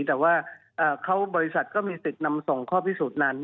แต่ว่าบริษัทก็มีสิทธิ์นำส่งข้อพิสูจน์นั้น